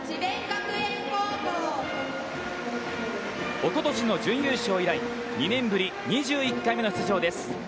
おととしの準優勝以来、２年ぶり２１回目の出場です。